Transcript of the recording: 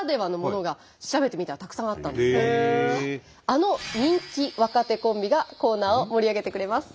あの人気若手コンビがコーナーを盛り上げてくれます。